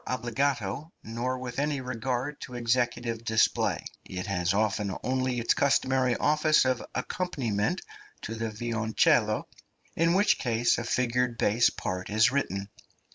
} (287) obbligato nor with any regard to executive display; it has often only its customary office of accompaniment to the violoncello, in which case a figured bass part is written.